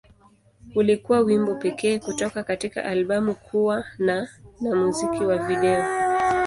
Ulikuwa wimbo pekee kutoka katika albamu kuwa na na muziki wa video.